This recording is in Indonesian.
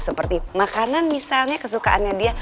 seperti makanan misalnya kesukaannya dia